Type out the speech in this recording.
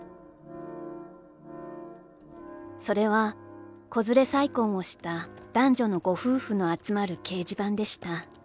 「それは子連れ再婚をした男女のご夫婦の集まる掲示板でした。